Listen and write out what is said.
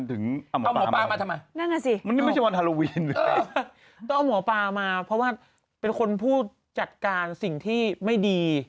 ต้องเอาหมอปลามาเพราะว่าเป็นคนผู้จัดการสิ่งที่ไม่ดี